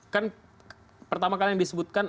kan pertama kali yang disebutkan